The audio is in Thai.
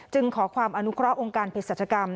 จึงขอความอนุเคราะห์องค์การพฤษฐกรรม